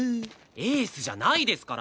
エースじゃないですから。